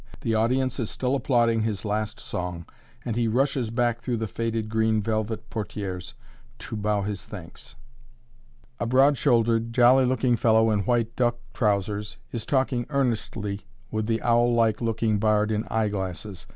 The audience is still applauding his last song, and he rushes back through the faded green velvet portières to bow his thanks. [Illustration: A POET SINGER] A broad shouldered, jolly looking fellow, in white duck trousers, is talking earnestly with the owl like looking bard in eyeglasses.